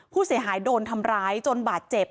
ผู้เสียหายโดนทำร้ายจนบาดเจ็บ